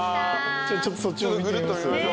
ちょっとそっちも見てみます？